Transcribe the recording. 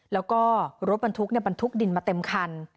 แล้วก็รถบรรทุกบรรทุกดินมาเต็มคัน